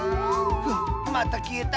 はっまたきえた！